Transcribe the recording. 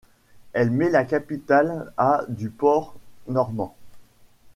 Elle met la capitale à du port normand.